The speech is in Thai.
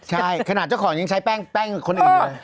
ใช่ขนาดเจ้าของยังใช้แป้งคนอื่นเลย